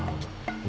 masuk ke dalam